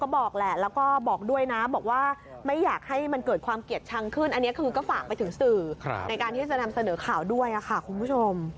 เป็นอย่างนี้เพราะอะไร